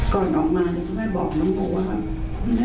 เป็นทีมแล้วอ่ะเป็นระดับชาติ